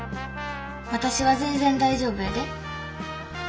私は全然大丈夫やで。